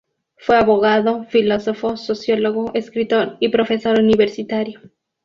Fue abogado, filósofo, sociólogo, escritor y profesor universitario.